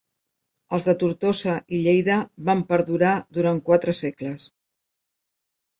Els de Tortosa i Lleida van perdurar durant quatre segles.